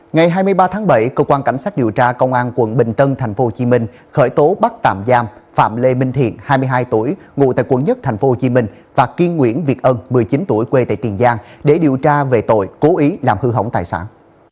ngày hai mươi ba tháng bảy cơ quan cảnh sát điều tra công an quận bình tân tp hcm khởi tố bắt tạm giam phạm lê minh thiện hai mươi hai tuổi ngụ tại quận một tp hcm và kiên nguyễn việt ân một mươi chín tuổi quê tại tiền giang để điều tra về tội cố ý làm hư hỏng tài sản